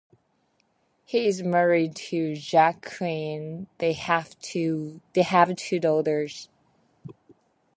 He is married to Jacquelyn; they have two daughters.